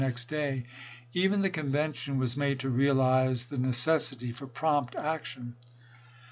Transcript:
next day, even the convention was made to realize the necessity for prompt action.